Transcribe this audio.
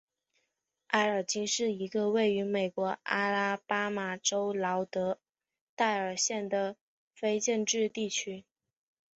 埃尔金是一个位于美国阿拉巴马州劳德代尔县的非建制地区。